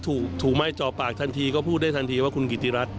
ถูกไหม้จอปากทันทีก็พูดได้ทันทีว่าคุณกิติรัฐ